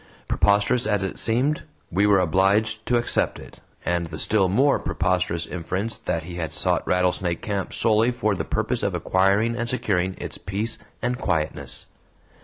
Preposterous as it seemed, we were obliged to accept it, and the still more preposterous inference that he had sought Rattlesnake Camp solely for the purpose of acquiring and securing its peace and quietness.